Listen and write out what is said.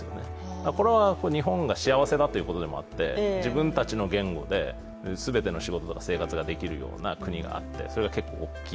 だからこれは、日本が幸せだということでもあって、自分たちの言語で全ての仕事や生活ができるような国があってそれが結構大きい。